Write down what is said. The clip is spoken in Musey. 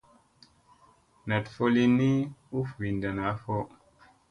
Naɗ fo lin ni u vinɗa naa fo.